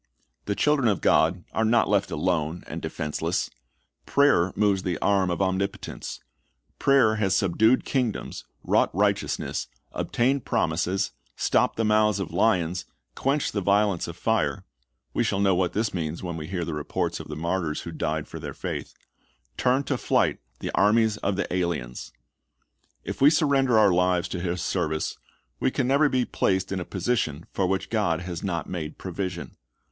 The children of God are not left alone and defenseless. Prayer moves the arm of Omnipotence. Prayer has "subdued kingdoms, wrought righteousness, obtained promises, stopped the mouths of lions, quenched the violence of fire" — we shall know what this means when we hear the reports of the martyrs who died for their faith, — "turned to flight the armies of the aliens."^ iPs, 50:15 2Heb. II :33, 34 '"Slid 1 1 Not God Avenge His Own. ''' 173 If we surrender our lives to His service, we can never be placed in a position for which God has not made provision.